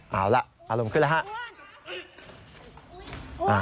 เอาล่ะอารมณ์ขึ้นแล้วฮะ